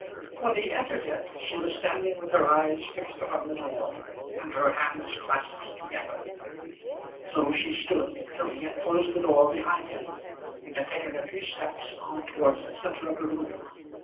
When he entered it she was standing with her eyes fixed upon the door and her hands clasped together. So she stood till he had closed the door behind him, and had taken a few steps on towards the centre of the room.